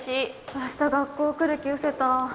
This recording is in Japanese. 明日学校来る気うせた。